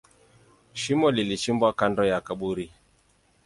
Shimo lilichimbwa kando ya kaburi.